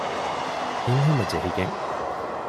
ހިތްހަމަ ޖެހިގެން